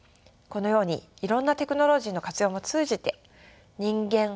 このようにいろんなテクノロジーの活用も通じて人間